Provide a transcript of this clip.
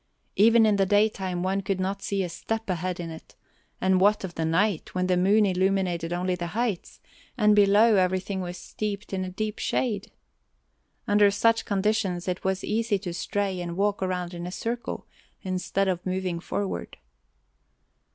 Even in the daytime one could not see a step ahead in it, and what of the night, when the moon illuminated only the heights, and below everything was steeped in a deep shade? Under such conditions it was easy to stray and walk around in a circle instead of moving forward.